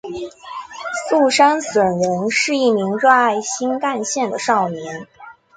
速杉隼人是一名热爱新干线的少年。